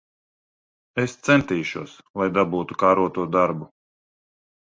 Es centīšos, lai dabūtu kāroto darbu.